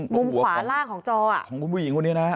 มุมขวาล่างของจออ่ะของผู้หญิงตรงเนี้ยนะ